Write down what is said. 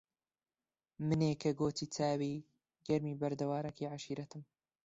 منێ کە گۆچی تاوی گەرمی بەردەوارەکەی عەشیرەتم